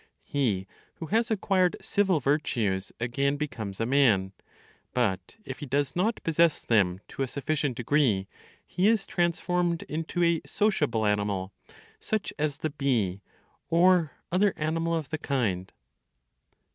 He who has acquired civil virtues again becomes a man; but if he does not possess them to a sufficient degree, he is transformed into a sociable animal, such as the bee, or other animal of the kind.